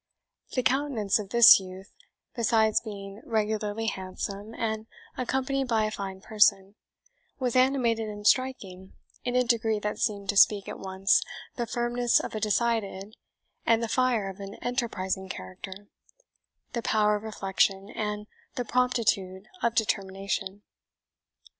The countenance of this youth, besides being regularly handsome and accompanied by a fine person, was animated and striking in a degree that seemed to speak at once the firmness of a decided and the fire of an enterprising character, the power of reflection, and the promptitude of determination.